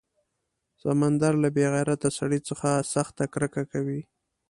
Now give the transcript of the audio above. سمندر له بې غیرته سړي څخه سخته کرکه کوي.